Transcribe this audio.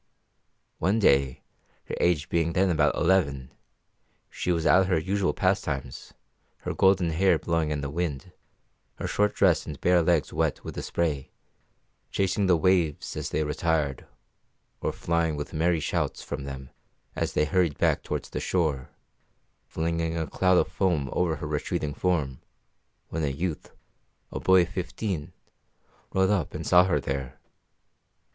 One day, her age being then about eleven, she was at her usual pastimes, her golden hair blowing in the wind, her short dress and bare legs wet with the spray, chasing the waves as they retired, or flying with merry shouts from them as they hurried back towards the shore, flinging a cloud of foam over her retreating form, when a youth, a boy of fifteen, rode up and saw her there.